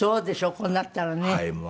こうなったらね。